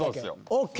ＯＫ！